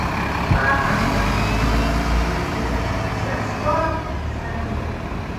په افسانواواسطوروکې شهسوار سړی دی